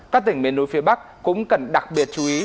các tỉnh miền núi phía bắc cũng cần đặc biệt chú ý